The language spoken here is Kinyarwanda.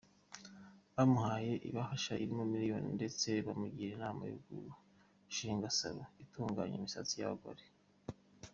Bamuhaye ibahasha irimo miliyoni ndetse bamugira inama yo gushinga Salon itunganya imisatsi y’abagore.